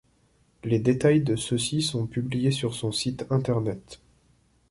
Les détails de ceux-ci sont publiés sur son site Internet.